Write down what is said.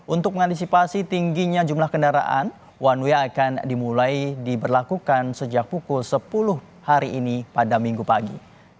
untuk mengantisipasi tingginya jumlah kendaraan one way akan dimulai diberlakukan sejak pukul sepuluh hari ini pada minggu pagi